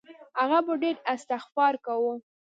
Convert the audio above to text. هغه به ډېر استغفار کاوه.